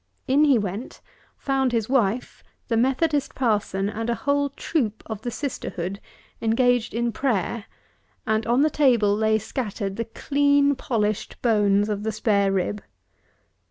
In he went, found his wife, the Methodist parson, and a whole troop of the sisterhood, engaged in prayer, and on the table lay scattered the clean polished bones of the spare rib!